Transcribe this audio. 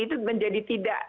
itu menjadi tidak